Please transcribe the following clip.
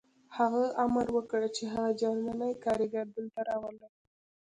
هغه امر وکړ چې هغه جرمنی کارګر دلته راولئ